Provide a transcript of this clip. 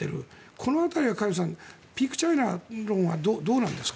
この辺りはカさんピークチャイナはどうなんですか？